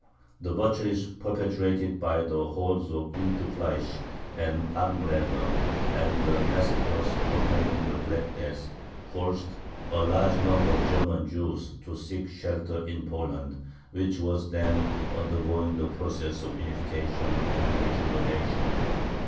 The butcheries perpetrated by the hordes of Rindfleisch and Armleder, and the massacres accompanying the Black Death, forced a large number of German Jews to seek shelter in Poland, which was then undergoing the process of unification and rejuvenation.